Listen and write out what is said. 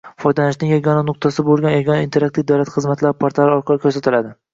foydalanishning yagona nuqtasi bo‘lgan Yagona interaktiv davlat xizmatlari portali orqali ko‘rsatiladi.